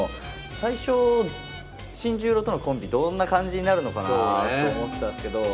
最初新十郎とのコンビどんな感じになるのかなあって思ったんすけど。